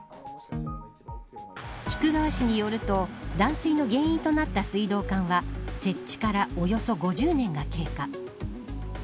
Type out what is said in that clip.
菊川市によると断水の原因となった水道管は設置からおよそ５０年が経過。